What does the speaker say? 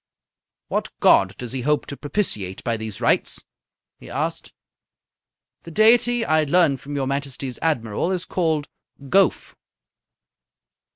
"What god does he hope to propitiate by these rites?" he asked. "The deity, I learn from your Majesty's admiral is called Gowf."